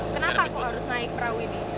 kenapa kok harus naik perahu ini